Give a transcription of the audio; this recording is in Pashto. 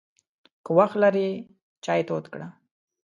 که وخت لرې، چای تود کړه!